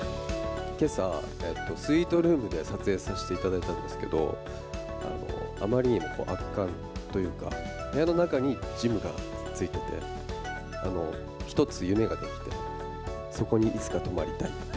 けさ、スイートルームで撮影させていただいたんですけど、あまりにも圧巻というか、部屋の中にジムがついてて、１つ夢が出来て、そこにいつか泊まりたい。